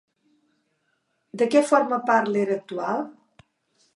De què forma part l'era actual?